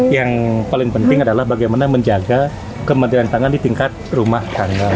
yang paling penting adalah bagaimana menjaga kementrian pangan di tingkat rumah tangga